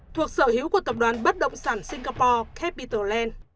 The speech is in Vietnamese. thuộc sở hữu của tập đoàn bất động sản singapore capital land